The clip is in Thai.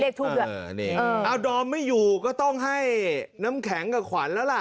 เอาดอมไม่อยู่ก็ต้องให้น้ำแข็งกับขวัญแล้วล่ะ